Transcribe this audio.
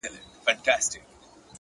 هره هڅه د ځان باور زیاتوي.!